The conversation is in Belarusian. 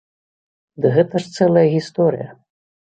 Ды гэта ж цэлая гісторыя.